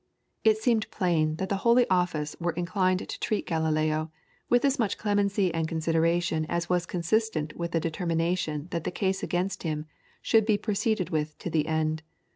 It seemed plain that the Holy Office were inclined to treat Galileo with as much clemency and consideration as was consistent with the determination that the case against him should be proceeded with to the end.